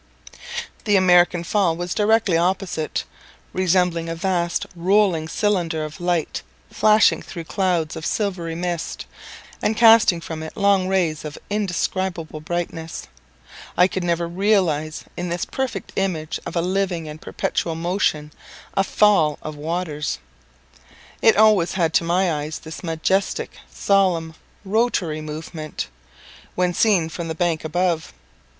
The American Fall was directly opposite, resembling a vast rolling cylinder of light flashing through clouds of silvery mist, and casting from it long rays of indescribable brightness. I never could realize in this perfect image of a living and perpetual motion, a fall of waters; it always had to my eyes this majestic, solemn, rotatory movement, when seen from the bank above.